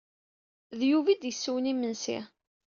D Yuba ay d-yessewwen imensi.